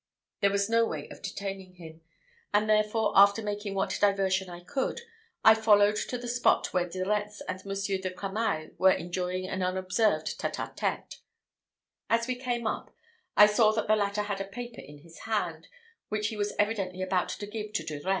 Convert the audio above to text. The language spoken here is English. There was no way of detaining him; and, therefore, after making what diversion I could, I followed to the spot where De Retz and Monsieur de Cramail were enjoying an unobserved tête à tête. As we came up, I saw that the latter had a paper in his hand, which he was evidently about to give to De Retz.